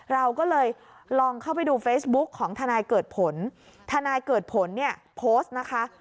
เราก็เลยลองเข้าไปดูเฟซบุ๊กของทนายเกิดผลทนายเกิดผลเนี่ยโพสต์นะคะ